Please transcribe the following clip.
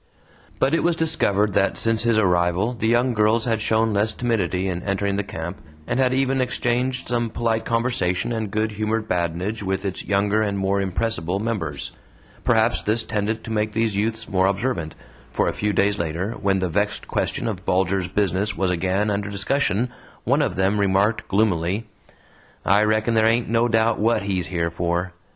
But it was discovered that since his arrival the young girls had shown less timidity in entering the camp, and had even exchanged some polite conversation and good humoured badinage with its younger and more impressible members. Perhaps this tended to make these youths more observant, for a few days later, when the vexed question of Bulger's business was again under discussion, one of them remarked, gloomily: "I reckon there ain't no doubt WHAT he's here for!"